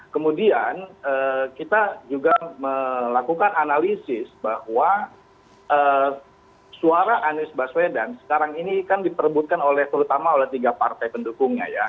kemudian kita juga melakukan analisis bahwa suara anies baswedan sekarang ini kan diperbutkan oleh terutama oleh tiga partai pendukungnya ya